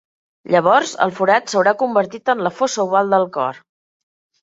Llavors el forat s'haurà convertit en la fossa oval del cor.